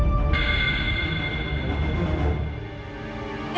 maksudnya mbak anin jadi yang masalahnya